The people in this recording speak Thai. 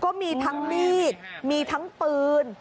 ก็มีทั้งมีดมีทั้งปืน